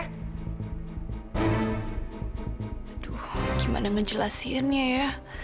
aduh gimana ngejelasinnya ya